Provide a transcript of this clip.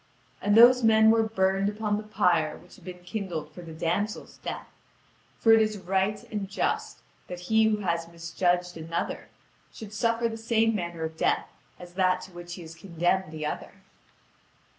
And those men were burned upon the pyre which had been kindled for the damsel's death; for it is right and just that he who has misjudged another, should suffer the same manner of death as that to which he had condemned the other.